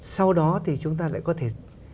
sau đó thì chúng ta lại có thể